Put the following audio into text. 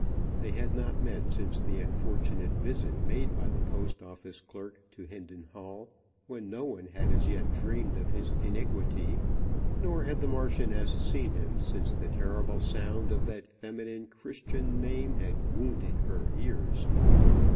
They had not met since the unfortunate visit made by the Post Office clerk to Hendon Hall, when no one had as yet dreamed of his iniquity; nor had the Marchioness seen him since the terrible sound of that feminine Christian name had wounded her ears.